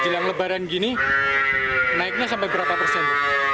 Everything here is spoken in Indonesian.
jelang lebaran gini naiknya sampai berapa persen